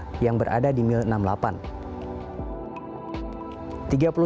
kami juga berhasil menemukan sebuah kapal yang berada di mil enam puluh delapan